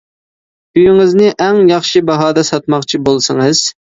ئۆيىڭىزنى ئەڭ ياخشى باھادا ساتماقچى بولسىڭىز!